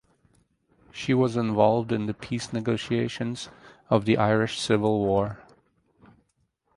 She was involved in the peace negotiations of the Irish Civil War.